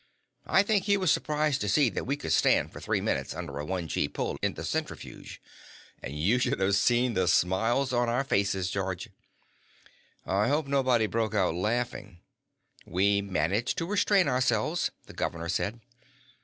I think he was surprised to see that we could stand for three minutes under a one gee pull in the centrifuge. And you should have seen the smiles on our faces, George." "I hope nobody broke out laughing." "We managed to restrain ourselves," the governor said.